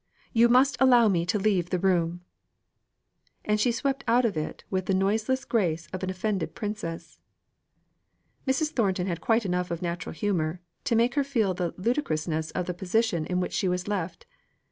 You must allow me to leave the room." And she swept out of it with the noiseless grace of an offended princess. Mrs. Thornton had quite enough of natural humour to make her feel the ludricrousness of the position in which she was left.